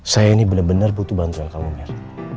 saya ini benar benar butuh bantuan kamu mir